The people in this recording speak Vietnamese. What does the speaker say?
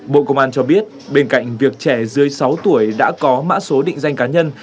bộ công an cho biết bên cạnh việc trẻ dưới sáu tuổi đã có mã số định danh cá nhân